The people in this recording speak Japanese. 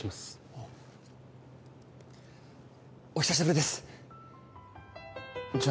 あっお久しぶりですじゃ